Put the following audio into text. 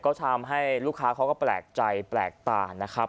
ก็ทำให้ลูกค้าเขาก็แปลกใจแปลกตานะครับ